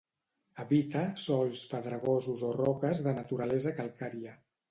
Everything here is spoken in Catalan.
Habita sòls pedregosos o roques de naturalesa calcària.